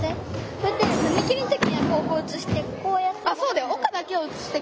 こうやってふみ切りの時はこう写してこうやって。